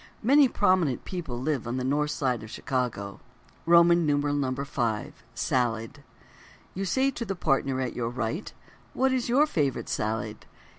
Many prominent people live on the North Side of Chicago. V. Salad. You say to the partner at your right: "What is your favorite salad?"